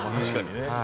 確かにね。